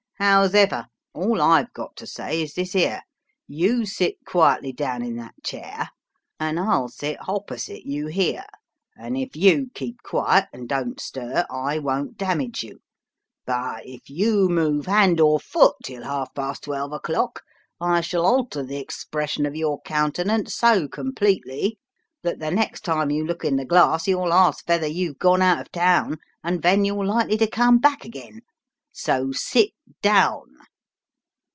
Hows'ever, all I've got to say is this here : You sit quietly down in that chair, and I'll sit hoppersite you here, and if you keep quiet and don't stir, I won't damage you ; but, if you move hand or foot till half past twelve o'clock, I shall alter the expression of your countenance so completely, that the next time you look in the glass you'll ask vether you're gone out of town, and ven you're likely to come back again. So sit down."